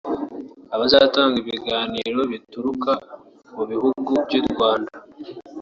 Abazatanga ibiganiro baturuka mu bihugu by’u Rwanda